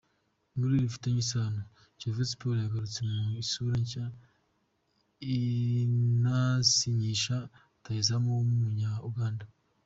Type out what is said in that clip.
Inkuru bifitanye isano: Kiyovu Sports yagarutse mu isura nshya, inasinyisha rutahizamu w’Umunya –Uganda.